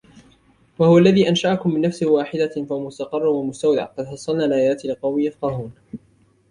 وهو الذي أنشأكم من نفس واحدة فمستقر ومستودع قد فصلنا الآيات لقوم يفقهون